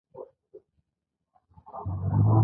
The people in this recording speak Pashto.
په شپو یو چا دي تور رانجه خوړلي